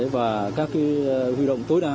và các cái huy động tối đa